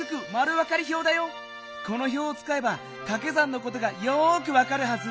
この表をつかえばかけ算のことがよくわかるはず。